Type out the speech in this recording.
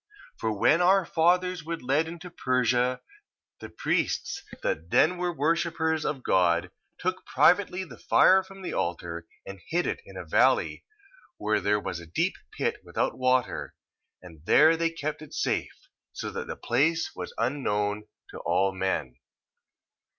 1:19. For when our fathers were led into Persia, the priests that then were worshippers of God, took privately the fire from the altar, and hid it in a valley where there was a deep pit without water, and there they kept it safe, so that the place was unknown to all men.